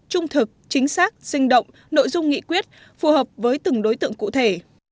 trung thực chính xác sinh động nội dung nghị quyết phù hợp với từng đối tượng cụ thể